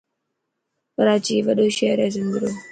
ڪراچي وڏو شهر هي سنڌرو.